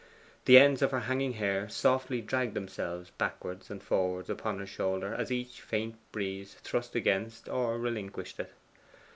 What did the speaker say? The ends of her hanging hair softly dragged themselves backwards and forwards upon her shoulder as each faint breeze thrust against or relinquished it.